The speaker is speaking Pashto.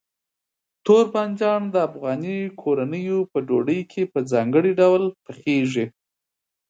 تور بانجان د افغاني کورنیو په ډوډۍ کې په ځانګړي ډول پخېږي.